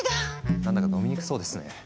なんだか飲みにくそうですね。